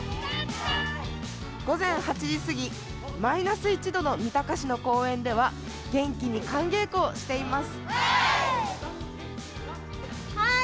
午前８時過ぎ、マイナス１度の三鷹市の公園では、元気に寒稽古しています。